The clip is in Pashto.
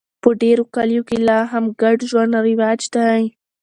په ډېرو کلیو کې لا هم ګډ ژوند رواج دی.